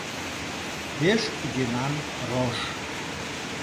Пеш йӧнан рож.